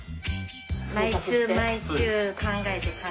毎週毎週考えて考えて。